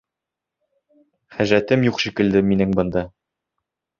Хәжәтем юҡ шикелле минең бында.